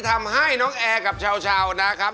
ทำให้น้องแอและเชรานะครับ